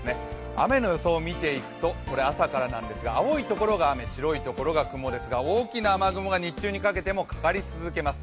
雨の予想を見ていくと、朝からなんですが青いところが雨、白いところが雲ですが、大きな雨雲が日中にかけてもかかり続けます。